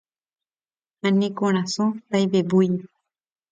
Ha ne korasõ taivevúi